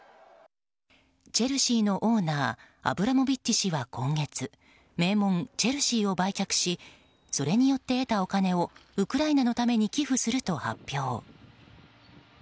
チェルシーのオーナーアブラモビッチ氏は名門チェルシーを売却しそれによって得たお金をウクライナのために寄付すると発表。